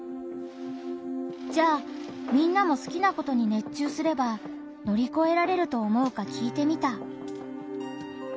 じゃあみんなも好きなことに熱中すれば乗り越えられると思うか聞いてみた。